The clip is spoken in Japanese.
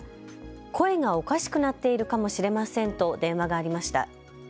声がおかしくなっているかもしれませんと電話がありました。